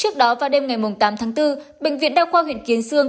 trước đó vào đêm ngày tám tháng bốn bệnh viện đa khoa huyện kiến sương